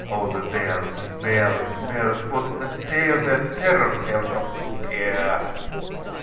Oh, the bells, bells, bells! What a tale their terror tellsOf Despair!